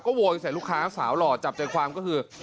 โวยใส่ลูกค้าสาวหล่อจับใจความก็คือ